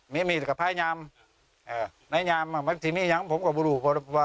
มีมีดกับพ่ายนามนายนามที่นี่อย่างผมก็บุรุษ